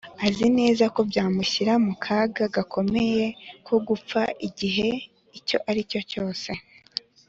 Azi neza ko byamushyira mu kaga gakomeye ko gupfa igihe icyo ari cyo cyose